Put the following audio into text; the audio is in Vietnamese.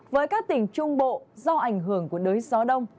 với các tỉnh trung bộ do ảnh hưởng của đới gió đông